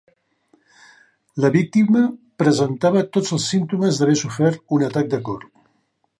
La víctima presentava tots els símptomes d'haver sofert un atac de cor.